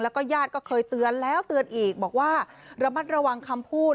แล้วก็ญาติก็เคยเตือนแล้วเตือนอีกบอกว่าระมัดระวังคำพูด